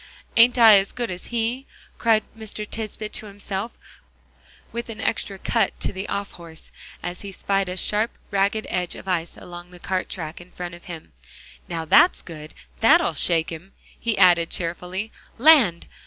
"Ain't I as good as he?" cried Mr. Tisbett to himself, with an extra cut to the off horse, as he spied a sharp ragged edge of ice along the cart track in front of him. "Now that's good; that'll shake him," he added cheerfully. "Land!